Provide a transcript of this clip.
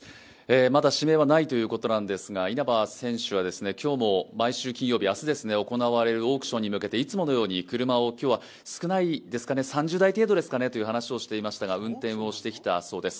まだ指名はないということなんですが、稲葉選手は今日も毎週金曜日、明日行われるオークションに向けていつものように車を今日は３０台程度ですかねとお話ししてましたが運転をしてきたそうです。